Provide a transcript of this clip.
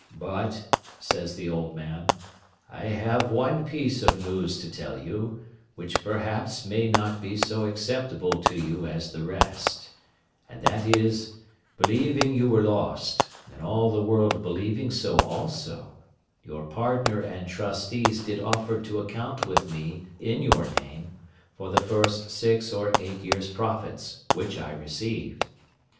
"But," says the old man, "I have one piece of news to tell you, which perhaps may not be so acceptable to you as the rest; and that is, believing you were lost, and all the world believing so also, your partner and trustees did offer to account with me, in your name, for the first six or eight years' profits, which I received.